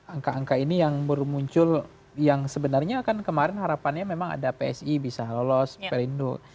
angka angka ini yang baru muncul yang sebenarnya kan kemarin harapannya memang ada psi bisa lolos perindo